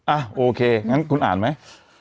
โอเคงั้นคุณอ่านไหม